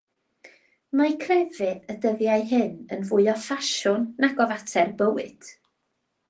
Mae crefydd y dyddiau hyn yn fwy o ffasiwn nag o fater bywyd.